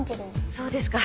そうですか。